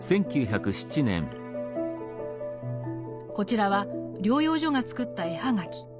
こちらは療養所が作った絵葉書。